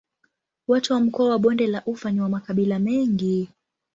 Watu wa mkoa wa Bonde la Ufa ni wa makabila mengi.